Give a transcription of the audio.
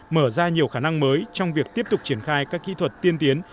mở ra nhiều khả năng mới trong việc tiếp tục triển khai các kỹ thuật tiên tiến